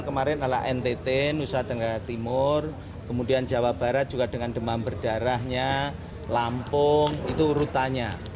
kemarin adalah ntt nusa tenggara timur kemudian jawa barat juga dengan demam berdarahnya lampung itu rutanya